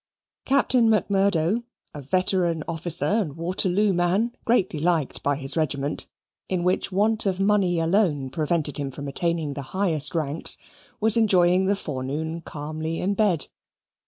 Captain Macmurdo, a veteran officer and Waterloo man, greatly liked by his regiment, in which want of money alone prevented him from attaining the highest ranks, was enjoying the forenoon calmly in bed.